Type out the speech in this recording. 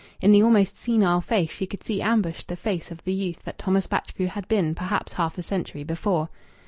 In the almost senile face she could see ambushed the face of the youth that Thomas Batchgrew had been perhaps half a century before.